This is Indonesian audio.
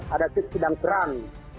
ada yang sedang perang